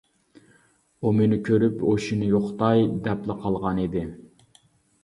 ئۇ مېنى كۆرۈپ ھوشىنى يوقىتاي دەپلا قالغان ئىدى.